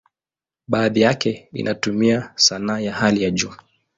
Baadhi yake inatumia sanaa ya hali ya juu.